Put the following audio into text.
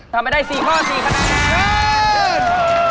ทำไปได้๔ข้อ๔คะแนน